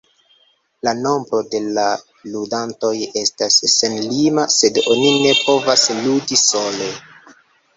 La nombro da ludantoj estas senlima, sed oni ne povas ludi sole.